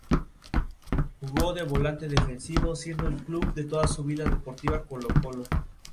Más que "contar la historia como debe ser", a ella le interesa "decir".